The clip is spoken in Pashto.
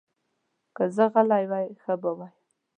که زه راغلی وای، ښه به وای.